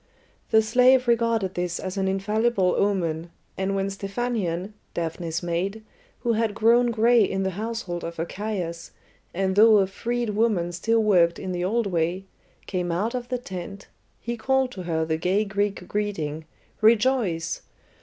The slave regarded this as an infallible omen, and when Stephanion, Daphne's maid, who had grown gray in the household of Archias, and though a freed woman still worked in the old way, came out of the tent, he called to her the gay Greek greeting, "Rejoice!"